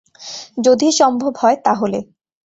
যদি সম্ভব হয় তাহলে।